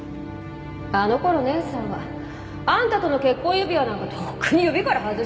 あのころ姉さんはあんたとの結婚指輪なんかとっくに指から外してたわよ